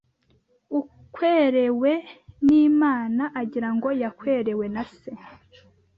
Ukwerewe n’Imana, agira ngo yakwerewe na se